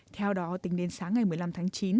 theo đó tính đến sáng ngày một mươi năm tháng chín